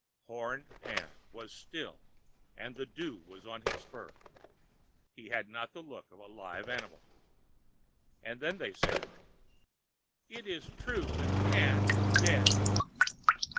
Horned Pan was still and the dew was on his fur; he had not the look of a live animal. And then they said, "It is true that Pan is dead."